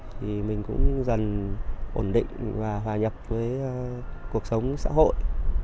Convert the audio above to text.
thì mình cũng dần ổn định và hòa nhập với cuộc sống xã hội